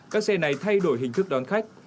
các xe này thay đổi hình thức đón khách